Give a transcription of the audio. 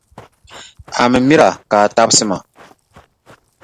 A mi mira ka a tabisi ma.